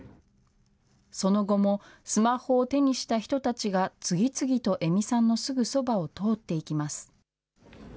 その後も、スマホを手にした人たちが次々と江見さんのすぐそばを通っていきます。